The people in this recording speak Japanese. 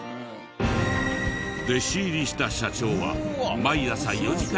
弟子入りした社長は毎朝４時から豆腐作り。